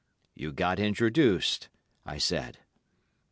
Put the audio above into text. "'You got introduced,' I said.